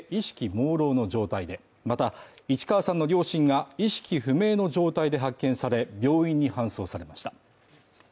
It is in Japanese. もうろうの状態でまた市川さんの両親が意識不明の状態で発見され、病院に搬送されました。